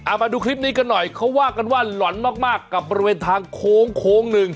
มาดูคลิปนี้กันหน่อยเขาว่ากันว่าหล่อนมากมากกับบริเวณทางโค้งโค้งหนึ่ง